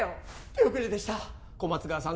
手遅れでした小松川さん